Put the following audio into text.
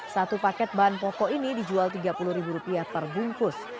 satu paket bahan pokok ini dijual rp tiga puluh perbungkus